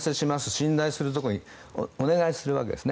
信頼するところにお願いするわけですね。